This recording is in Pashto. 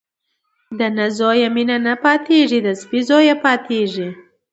د نه زويه مينه نه پاتېږي ، د سپي زويه پاتېږي.